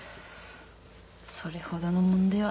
それほどのもんでは。